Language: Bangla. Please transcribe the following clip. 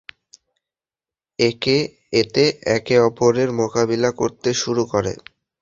এতে একে অপরের মোকাবিলা করতে শুরু করে।